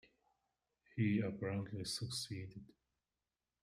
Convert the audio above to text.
He apparently succeeded.